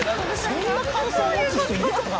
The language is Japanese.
そんな感想を持つ人いるかな？